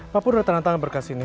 papa udah tenang tenang berkas ini